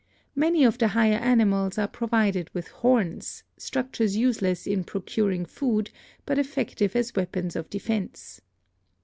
Many of the higher animals are provided with horns, structures useless in procuring food but effective as weapons of defense.